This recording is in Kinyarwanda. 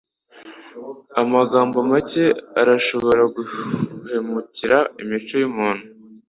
Amagambo make arashobora guhemukira imico yumuntu.